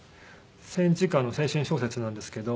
戦時下の青春小説なんですけど。